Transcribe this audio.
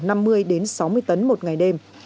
một mươi sáu mươi tấn một ngày đêm